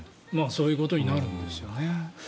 そういうことになるんですよね。